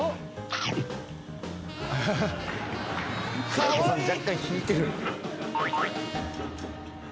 平子さん若干引いてる。